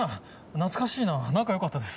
懐かしいな仲良かったです。